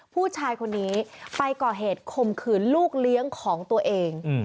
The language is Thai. ผู้ชายคนนี้ไปก่อเหตุคมขืนลูกเลี้ยงของตัวเอง